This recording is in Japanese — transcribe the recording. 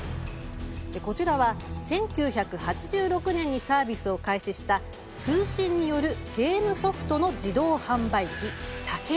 こちらは１９８６年にサービスを開始した通信によるゲームソフトの自動販売機、ＴＡＫＥＲＵ。